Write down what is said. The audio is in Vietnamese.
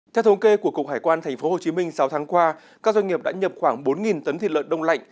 theo thống kê của cục hải quan tp hcm sáu tháng qua các doanh nghiệp đã nhập khoảng bốn tấn thịt lợn đông lạnh